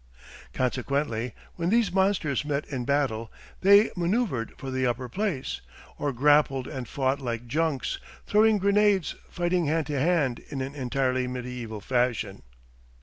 Consequently, when these monsters met in battle, they manoeuvred for the upper place, or grappled and fought like junks, throwing grenades fighting hand to hand in an entirely medieval fashion.